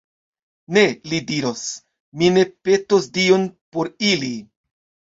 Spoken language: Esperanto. Ne, li diros, mi ne petos Dion por ili!